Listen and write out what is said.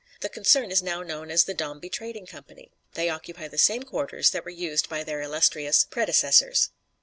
The concern is now known as The Dombey Trading Company; they occupy the same quarters that were used by their illustrious predecessors.